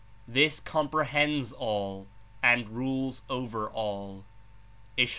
This comprehends all and rules over all." (Ish.